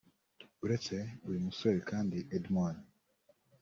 Buretse uyu musore kandi Edmore